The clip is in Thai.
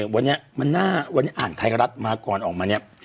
วันนี้อ่านไทยรัฐมาก่อนออกมาเนี่ย